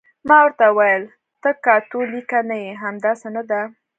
ما ورته وویل: ته کاتولیکه نه یې، همداسې نه ده؟